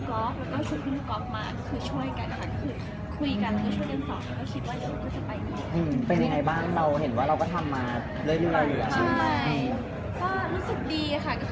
ก็คือเหมือนกับเรารู้สึกดีเพราะว่าน้องเรนก็บอกเราปกติค่ะว่าไม่ตั้งใจเรียนภูมิกิจ